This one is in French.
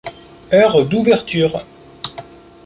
Heures d'ouverture.